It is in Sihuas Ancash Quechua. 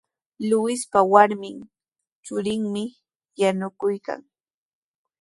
Luispa warmi churinmi yanukuykan.